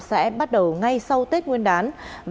sẽ bắt đầu ngay sau tết nguyên đán